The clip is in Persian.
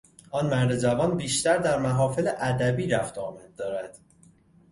آن مرد جوان بیشتر در محافل ادبی رفت و آمد دارد.